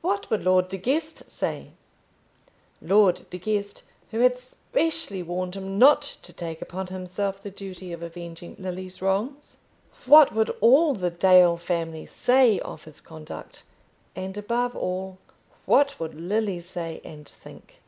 What would Lord De Guest say Lord De Guest, who had specially warned him not to take upon himself the duty of avenging Lily's wrongs? What would all the Dale family say of his conduct? And, above all, what would Lily say and think?